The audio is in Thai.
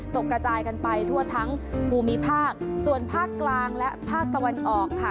กระจายกันไปทั่วทั้งภูมิภาคส่วนภาคกลางและภาคตะวันออกค่ะ